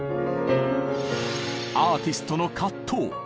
アーティストの藤。